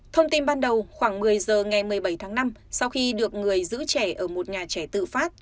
thông tin ban đầu khoảng một mươi giờ ngày một mươi bảy tháng năm sau khi được người giữ trẻ ở một nhà trẻ tự phát